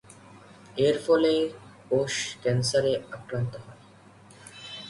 এর ফলে, কোষ ক্যান্সারে আক্রান্ত হয়।